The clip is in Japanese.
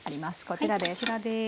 こちらです。